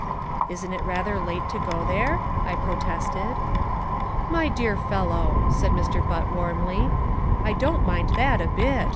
"Isn't it rather late to go there?" I protested. "My dear fellow," said Mr. Butt warmly, "I don't mind that a bit.